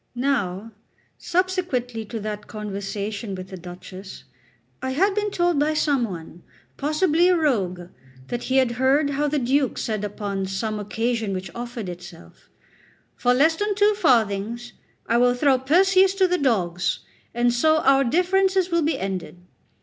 Now, subsequently to that conversation with the Duchess, I had been told by some one, possibly a rogue, that he had heard how the Duke said upon some occasion which offered itself: "For less than two farthings I will throw Perseus to the dogs, and so our differences will be ended."